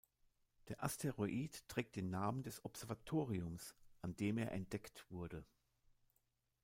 Der Asteroid trägt den Namen des Observatoriums, an dem er entdeckt wurde.